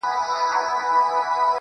ساقي جانانه ته را یاد سوې تر پیالې پوري.